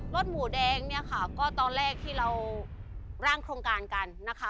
สหมูแดงเนี่ยค่ะก็ตอนแรกที่เราร่างโครงการกันนะคะ